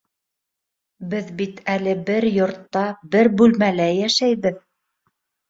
? Беҙ бит әле бер йортта, бер бүлмәлә йәшәйбеҙ.